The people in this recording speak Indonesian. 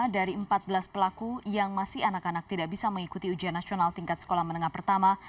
dari empat belas pelaku yang masih anak anak tidak bisa mengikuti ujian nasional tingkat sekolah menengah pertama